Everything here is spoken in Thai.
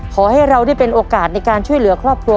ขอให้เราได้เป็นโอกาสในการช่วยเหลือครอบครัว